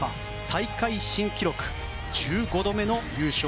大会新記録１５度目の優勝